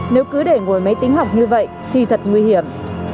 nếu cứ để ngồi máy tính học như vậy thì thật nguy hiểm